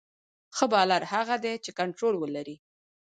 ښه بالر هغه دئ، چي کنټرول ولري.